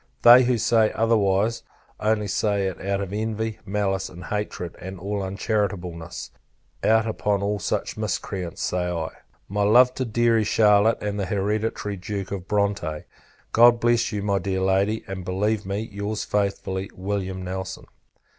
They who say otherwise, only say it out of envy, malice and hatred, and all uncharitableness; out upon all such miscreants! say I. My love to deary, Charlotte, and the hereditary Duke of Bronte. God bless you, my dear Lady; and believe me, your's faithfully, Wm. NELSON.